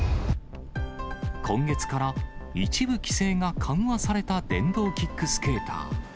今月から一部規制が緩和された電動キックスケーター。